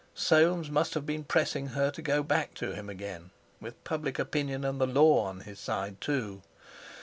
Soames must have been pressing her to go back to him again, with public opinion and the Law on his side, too!